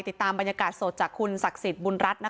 ติดตามบรรยากาศสดจากคุณศักดิ์สิทธิ์บุญรัฐ